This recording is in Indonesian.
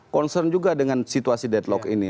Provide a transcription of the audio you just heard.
concern juga dengan situasi deadlock ini